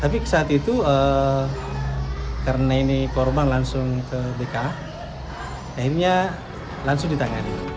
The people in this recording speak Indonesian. tapi saat itu karena ini korban langsung ke dka akhirnya langsung ditangani